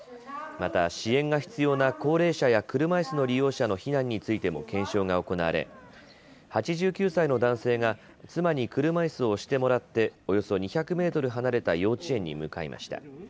また支援が必要な高齢者や車いすの利用者の避難についても検証が行われ８９歳の男性が妻に車いすを押してもらっておよそ２００メートル離れた幼稚園に向かいました。